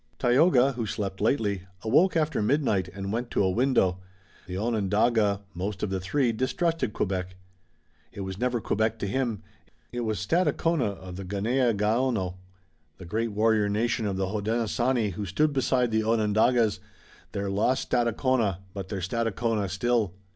Tayoga, who slept lightly, awoke after midnight and went to a window. The Onondaga, most of the three, distrusted Quebec. It was never Quebec to him. It was Stadacona of the Ganeagaono, the great warrior nation of the Hodenosaunee who stood beside the Onondagas, their lost Stadacona, but their Stadacona still.